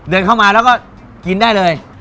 เดินเข้ามาแล้วก็กินได้เลย